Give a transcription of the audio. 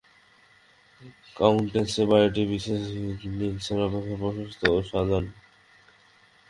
কাউণ্টেসের বাড়ীটি মিসেস হিগিন্সের অপেক্ষা প্রশস্ত ও সাজান।